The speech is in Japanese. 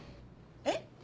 えっ？